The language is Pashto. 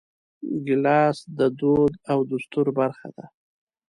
ګیلاس د دود او دستور برخه ده.